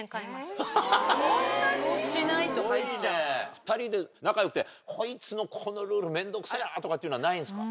２人で仲良くて「こいつのこのルール面倒くせぇな」とかっていうのはないんですか？